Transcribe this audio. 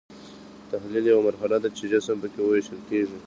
تحلیل یوه مرحله ده چې جسم پکې ویشل کیږي.